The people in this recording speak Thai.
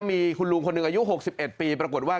มีคุณลุงคนหนึ่งอายุ๖๑ปีปรากฏว่า